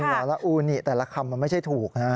แล้วอูนิแต่ละคำมันไม่ใช่ถูกนะ